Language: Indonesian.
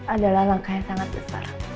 adalah langkah yang sangat besar